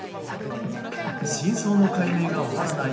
真相の解明が終わらない